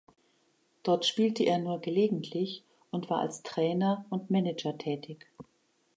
Dort spielte er nur gelegentlich und war als Trainer und Manager tätig.